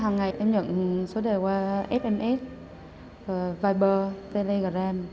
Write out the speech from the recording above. hằng ngày em nhận số đề qua fms viber telegram